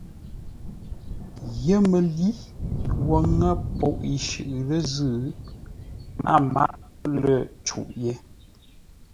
YƏMƏLǏ wo ŋə́ poʼ yi shʉʼʉ lə́ zʉ́, a máʼ lə̂ cûʼ yé.